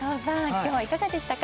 今日はいかがでしたか？